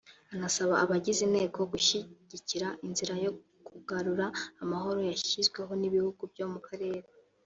anasaba abagize Inteko gushyigikira inzira yo kugarura amahoro yashyizweho n’ibihugu byo mu Karere